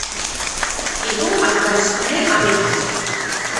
এবং আফগানিস্তানের আমির হন।